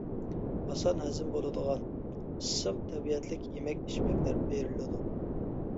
ئاسان ھەزىم بولىدىغان، ئىسسىق تەبىئەتلىك يېمەك-ئىچمەكلەر بېرىلىدۇ.